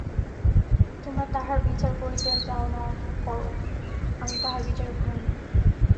তোমরা তাঁহার বিচার করিতে চাও করো, আমি তাঁহার বিচারক নই।